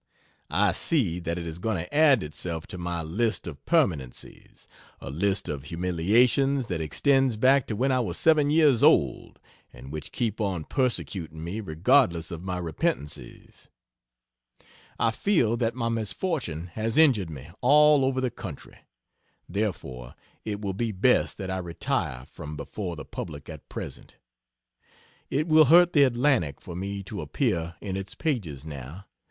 I see that it is going to add itself to my list of permanencies a list of humiliations that extends back to when I was seven years old, and which keep on persecuting me regardless of my repentancies. I feel that my misfortune has injured me all over the country; therefore it will be best that I retire from before the public at present. It will hurt the Atlantic for me to appear in its pages, now.